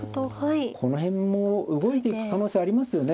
この辺も動いていく可能性ありますよね。